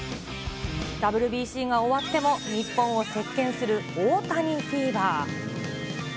ＷＢＣが終わっても、日本を席けんする大谷フィーバー。